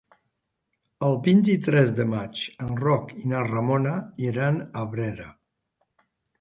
El vint-i-tres de maig en Roc i na Ramona iran a Abrera.